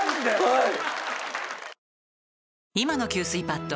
はい。